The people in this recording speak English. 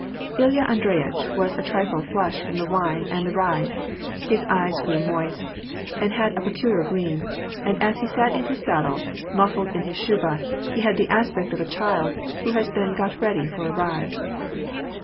Ilya Andreyitch was a trifle flushed from the wine and the ride ; his eyes grew moist, and had a peculiar gleam ; and as he sat in his saddle, muffled in his shuba, he had the aspect of a child who has been got ready for a ride.